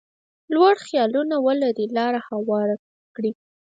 لوړ خیالونه ولري لاره هواره کړي.